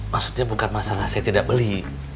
maksudnya bukan masalah saya tidak beli